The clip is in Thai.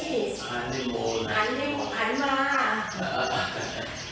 หันหันมาสมมุติว่าเรานี่เข้าแล้วเนาะมันเอามันเอากันอยู่ทุกวัน